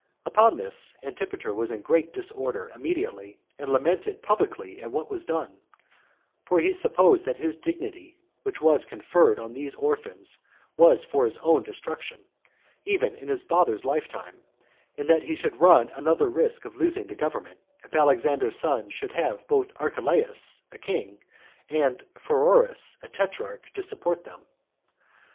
Upon this, Antipater was in great disorder immediately, and lamented publicly at what was done; for he supposed that this dignity which was conferred on these orphans was for his own destruction, even in his father's lifetime, and that he should run another risk of losing the government, if Alexander's sons should have both Archelaus [a king], and Pheroras a tetrarch, to support them.